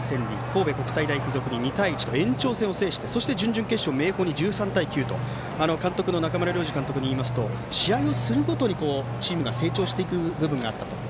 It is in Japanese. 神戸国際大付属に２対１と延長戦を制して準々決勝明豊に１３対９と中村良二監督によりますと試合をするごとにチームが成長していく部分があったと。